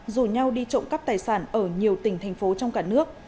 rủ nhau đi trộm cắp tài sản ở nhiều tỉnh thành phố trong cả nước